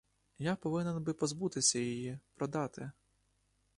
Я повинен би позбутися її, продати!